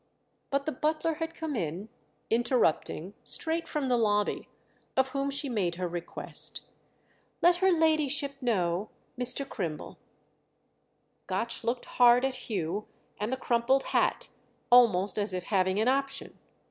But the butler had come in, interrupting, straight from the lobby; of whom she made her request. "Let her ladyship know—Mr. Crimble." Gotch looked hard at Hugh and the crumpled hat—almost as if having an option.